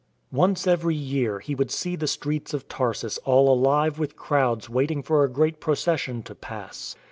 Once every year he would see the streets of Tarsus all alive with crowds waiting for a great procession to pass.